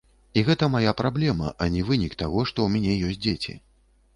І гэта мая праблема, а не вынік таго, што ў мяне ёсць дзеці.